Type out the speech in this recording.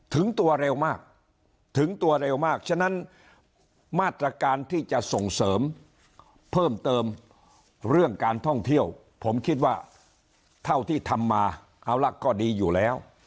ถึงตัวเร็วมากถึงตัวเร็วมากฉะนั้นมาตรการที่จะส่งเสริมเพิ่มเติมเรื่องการท่องเที่ยวผมคิดว่าเท่าที่ทำมาเอาล่ะก็ดีอยู่แล้ว